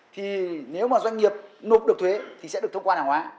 thì nếu mà doanh nghiệp nộp được thuế thì sẽ được thông quan hàng hóa